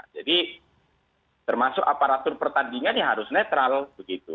jadi termasuk aparatur pertandingan ya harus netral begitu